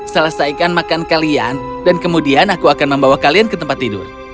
selesaikan makan kalian dan kemudian aku akan membawa kalian ke tempat tidur